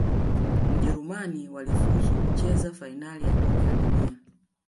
Ujerumani walifuzu kucheza fainali ya kombe la dunia